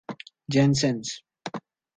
Janssens.